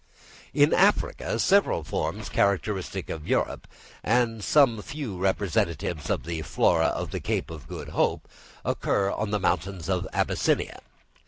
In Africa, several forms characteristic of Europe, and some few representatives of the flora of the Cape of Good Hope, occur on the mountains of Abyssinia.